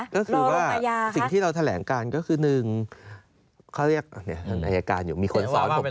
ก็คือว่าสิ่งที่เราแถลงการก็คือ๑เขาเรียกท่านอายการอยู่มีคนซ้อนผม